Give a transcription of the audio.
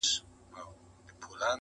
راته راکړۍ څه ډوډۍ مسلمانانو،